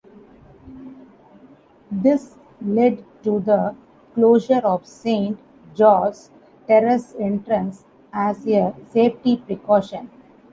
This led to the closure of Saint Georges Terrace entrance as a safety precaution.